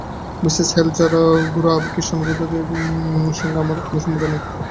Mrs Hale ছাড়া গোঁড়া খ্রীষ্টানদের সঙ্গে আমার কোন সম্বন্ধ নেই।